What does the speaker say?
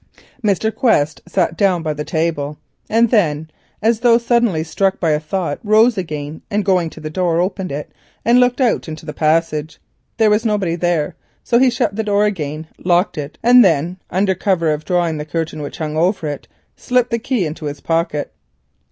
Mr. Quest sat down by the table, and then, as though suddenly struck by a thought, rose again, and going to the door, opened it and looked out into the passage. There was nobody there, so he shut the door again, locked it, and then under cover of drawing the curtain which hung over it, slipped the key into his pocket.